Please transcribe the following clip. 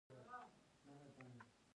ماشوم له لوبو وروسته لږ ستړی ښکاره کېده.